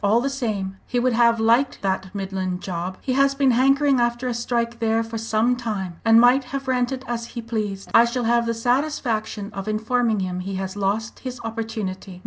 All the same, he would have liked that Midland job! He has been hankering after a strike there for some time, and might have ranted as he pleased. I shall have the satisfaction of informing him he has lost his opportunity.